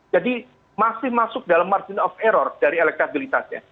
jadi masih masuk dalam margin of error dari elektabilitasnya